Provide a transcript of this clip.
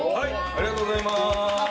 ありがとうございます。